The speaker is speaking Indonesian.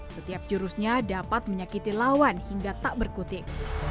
setiap jurusnya dapat menyakiti lawan hingga tak berkutik